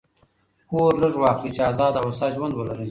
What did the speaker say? پور لږ واخلئ! چي آزاد او هوسا ژوند ولرئ.